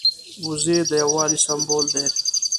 وزې د یو والي سمبول دي